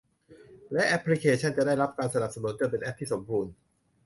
และแอปพลิเคชั่นจะได้รับการสนับสนุนจนเป็นแอปที่สมบูรณ์